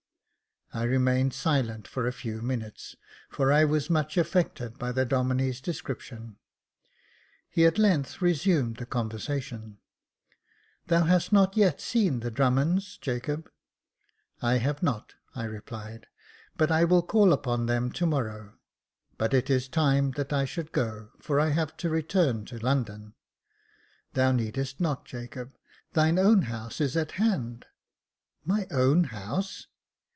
I remained silent for a few minutes, for I was much affected by the Domlne's description j he at length resumed the conversation. " Thou hast not yet seen the Drummonds, Jacob ?" "I have not," I replied, "but I will call upon them to morrow ; but it is time that I should go, for I have to return to London." "Thou needest not, Jacob. Thine own house is at hand." " My own house